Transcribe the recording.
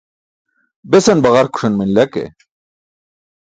Besan baġarkuṣan manila ke